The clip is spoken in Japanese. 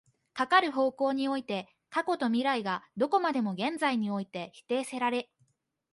かかる方向において過去と未来とがどこまでも現在において否定せられ、